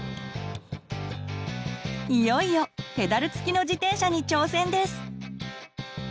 いよいよペダル付きの自転車に挑戦です！